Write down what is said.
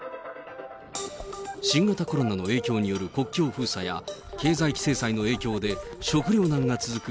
新型コロナの影響による国境封鎖や、経済制裁の影響で食料難が続く